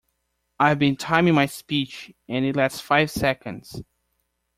I've been timing my speech, and it lasts five seconds.